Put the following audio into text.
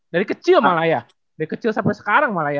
dari kecil malah ya dari kecil sampai sekarang malah ya